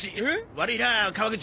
悪いな川口。